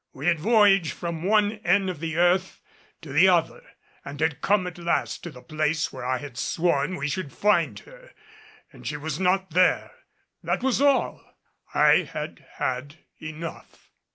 We had voyaged from one end of the earth to the other and had come at last to the place where I had sworn we should find her. And she was not there! That was all. I had had enough.